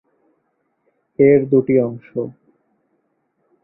এর দুটি অংশ।